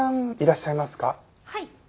はい。